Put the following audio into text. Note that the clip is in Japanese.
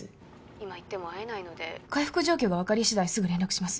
今行っても会えないので回復状況が分かり次第すぐ連絡します